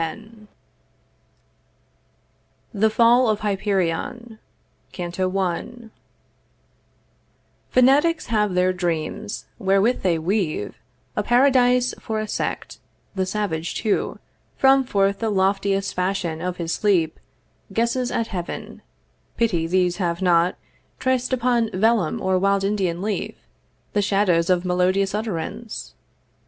com) The Fall of Hyperion A Dream CANTO I Fanatics have their dreams, wherewith they weave A paradise for a sect; the savage too From forth the loftiest fashion of his sleep Guesses at Heaven; pity these have not Trac'd upon vellum or wild Indian leaf The shadows of melodious utterance.